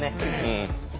うん。